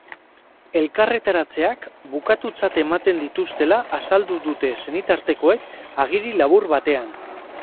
Elkarretaratzeak bukatutzat ematen dituztela azaldu dute senitartekoek agiri labur batean.